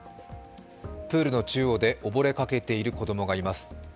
プールの中央で溺れかけている子供がいます。